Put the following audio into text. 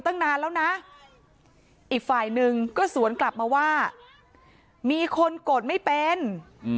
ตั้งนานแล้วนะอีกฝ่ายหนึ่งก็สวนกลับมาว่ามีคนกดไม่เป็น